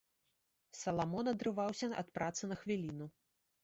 Саламон адрываўся ад працы на хвіліну.